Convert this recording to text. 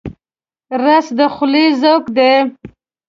رس د خولې ذوق دی